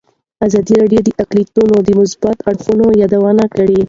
ازادي راډیو د اقلیتونه د مثبتو اړخونو یادونه کړې.